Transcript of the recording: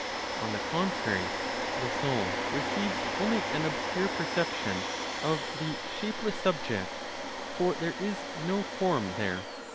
On the contrary, the soul receives only an obscure perception of the shapeless subject, for there is no form there.